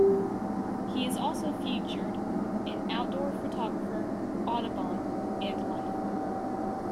He is also featured in "Outdoor Photographer", "Audubon", and "Life".